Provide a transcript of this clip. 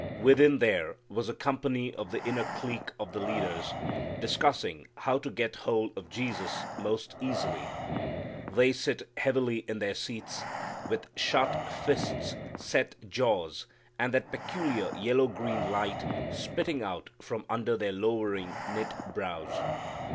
Within there was a company of the inner clique of the leaders, discussing how to get hold of Jesus most easily. They sit heavily in their seats, with shut fists, set jaws, and that peculiar yellow green light spitting out from under their lowering, knit brows.